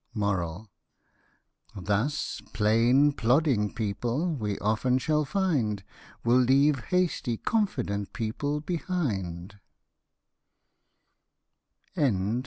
4(5 Thus plain plodding people, we often shall find, Will leave hasty confident people behind.